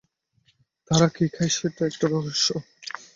তারা কি খায় সেটা একটা রহস্য।